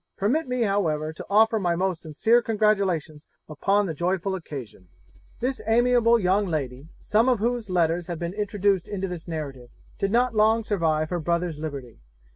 Permit me however to offer my most sincere congratulations upon the joyful occasion.' This amiable young lady, some of whose letters have been introduced into this narrative, did not long survive her brother's liberty.